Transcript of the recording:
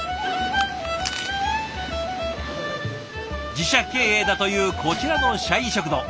自社経営だというこちらの社員食堂。